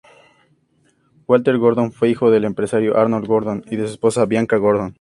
Walter Gordon fue hijo del empresario Arnold Gordon y de su esposa Bianca Gordon.